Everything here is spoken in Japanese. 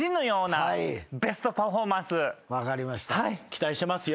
期待してますよ。